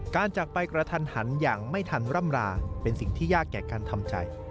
จากไปกระทันหันอย่างไม่ทันร่ำราเป็นสิ่งที่ยากแก่การทำใจ